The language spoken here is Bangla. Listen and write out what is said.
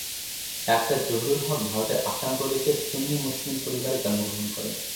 ডাক্তার জহুরুল হক ভারতের আসাম প্রদেশের সুন্নি মুসলিম পরিবারে জন্মগ্রহণ করেন।